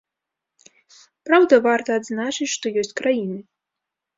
Праўда, варта адзначыць, што ёсць краіны.